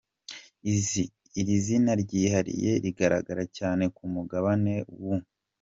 Iri zina ryihariye rigaragara cyane ku mugabane w’u